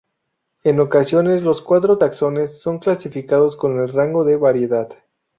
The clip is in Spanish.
En ocasiones los cuatro taxones son clasificados con el rango de variedad.